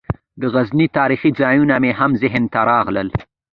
د غزني تاریخي ځایونه مې هم ذهن ته راغلل.